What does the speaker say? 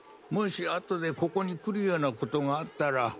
もし後でここに来るような事があったら。